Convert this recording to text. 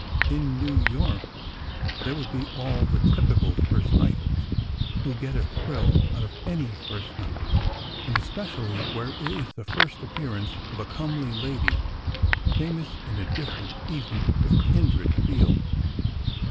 In New York, there would be all the typical first nighters, who get a thrill out of any first night, and especially where it is the first appearance of a comely lady, famous in a different, even if kindred, field.